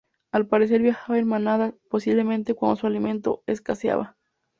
Al parecer viajaba en manadas, posiblemente cuando su alimento escaseaba.